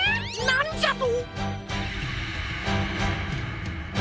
なんじゃと！